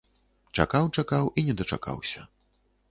Чакаў-чакаў і не дачакаўся.